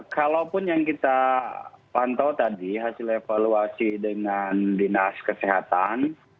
kalaupun yang kita pantau tadi hasil evaluasi dengan dinas kesehatan